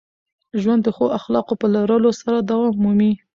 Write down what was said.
ژوند د ښو اخلاقو په لرلو سره دوام مومي.